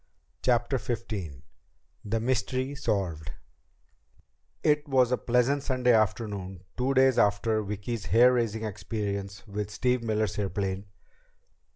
CHAPTER XV The Mystery Solved It was a pleasant Sunday afternoon, two days after Vicki's hair raising experience with Steve Miller's airplane.